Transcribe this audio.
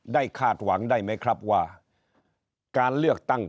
ได้คาดหวังได้ไหมครับว่าการเลือกตั้งครั้งนี้